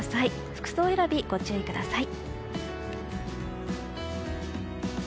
服装選び、ご注意ください。